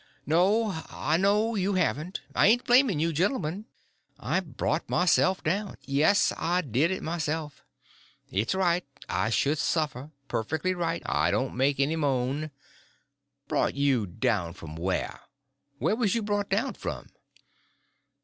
"No, I know you haven't. I ain't blaming you, gentlemen. I brought myself down—yes, I did it myself. It's right I should suffer—perfectly right—I don't make any moan." "Brought you down from whar? Whar was you brought down from?"